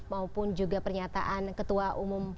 maupun juga pernyataan ketua umum